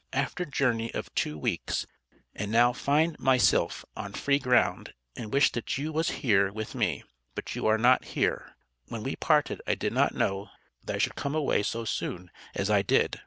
After Jorney of too weeks, and now find mysilf on free ground and wish that you was here with me But you are not here, when we parted I did not know that I should come away so soon as I did.